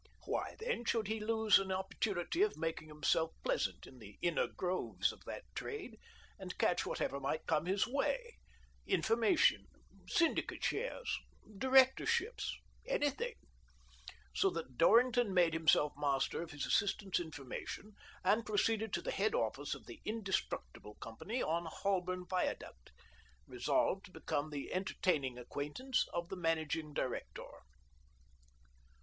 Why then should he lose an opportunity of making himself pleasant in the inner groves of that trade, and catch whatever might come his way — information, syndicate shares, directorships, anything ? So 156 THE DOBBINGTON DEED BOX that Dorrington made himself master of his assistant's information, and proceeded to the head office of the "Indestructible" company on Holborn Viaduct, resolved to become the entertaining acquaintance of the managing director.